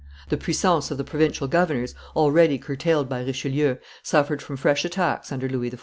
The puissance of the provincial governors, already curtailed by Richelieu, suffered from fresh attacks under Louis XIV.